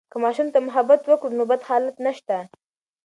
که ماشوم ته محبت وکړو، نو بد حالات نشته.